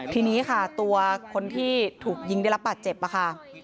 ทีนี้ค่ะตัวคนที่ถูกยิงได้รับบาดเจ็บค่ะ